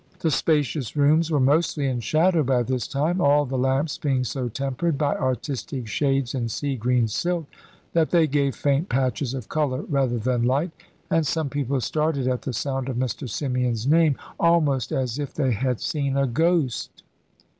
The spacious rooms were mostly in shadow by this time, all the lamps being so tempered by artistic shades in sea green silk that they gave faint patches of colour rather than light, and some people started at the sound of Mr. Symeon's name, almost as if they had seen a ghost.